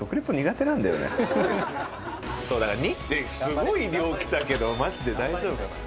すごい量きたけどマジで大丈夫かな？